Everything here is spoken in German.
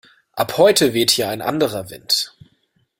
Ab heute weht hier ein anderer Wind!